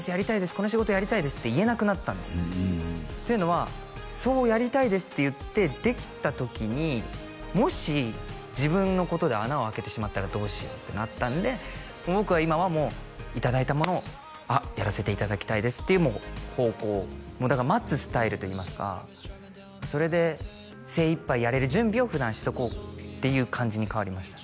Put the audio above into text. この仕事やりたいですって言えなくなったんですよというのはそうやりたいですって言ってできた時にもし自分のことで穴をあけてしまったらどうしようってなったんで僕は今はもういただいたものをやらせていただきたいですっていう方向だから待つスタイルといいますかそれで精いっぱいやれる準備を普段しとこうっていう感じに変わりましたね